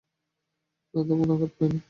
না, তেমন আঘাত পাইনি।